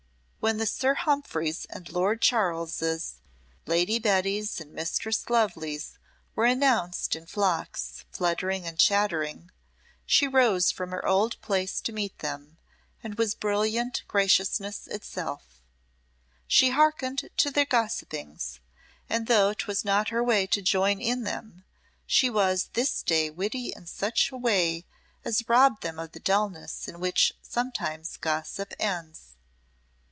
When the Sir Humphreys and Lord Charleses, Lady Bettys and Mistress Lovelys were announced in flocks, fluttering and chattering, she rose from her old place to meet them, and was brilliant graciousness itself. She hearkened to their gossipings, and though 'twas not her way to join in them, she was this day witty in such way as robbed them of the dulness in which sometimes gossip ends.